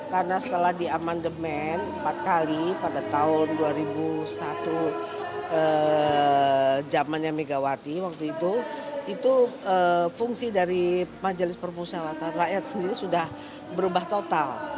karena setelah diamandemen empat kali pada tahun dua ribu satu zamannya megawati waktu itu itu fungsi dari majelis perpustakaan rakyat sendiri sudah berubah total